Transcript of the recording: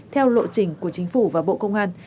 theo lộ trình của chính phủ và bộ công an